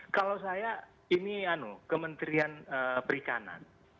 kalau saya ini kementerian perikanan